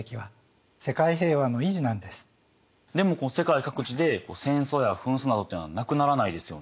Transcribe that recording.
でも世界各地で戦争や紛争などっていうのはなくならないですよね。